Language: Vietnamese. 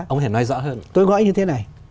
ông thể nói rõ hơn tôi gọi như thế này